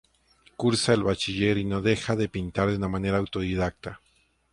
Cursa el bachiller y no deja de pintar de una manera autodidacta.